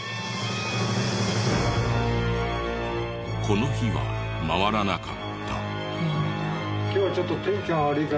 この日は回らなかった。